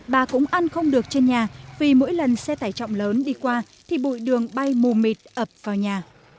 bà cũng ăn không được trên nhà vì mỗi lần xe tải trọng lớn đi qua thì bụi đường bay mù mịt ập vào nhà